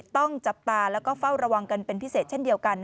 ต้องจับตาแล้วก็เฝ้าระวังกันเป็นพิเศษเช่นเดียวกัน